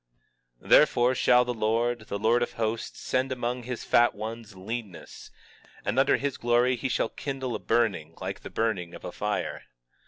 20:16 Therefore shall the Lord, the Lord of Hosts, send among his fat ones, leanness; and under his glory he shall kindle a burning like the burning of a fire.